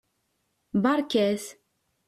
Beṛkat!